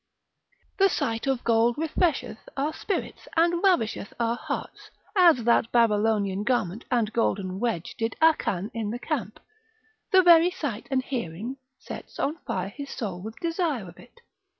The sight of gold refresheth our spirits, and ravisheth our hearts, as that Babylonian garment and golden wedge did Achan in the camp, the very sight and hearing sets on fire his soul with desire of it.